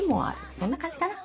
そんな感じかな？